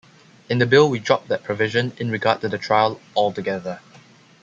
In the Bill we drop that provision in regard to the trial altogether.